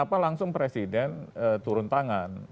karena itu langsung presiden turun tangan